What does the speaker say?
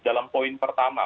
dalam poin pertama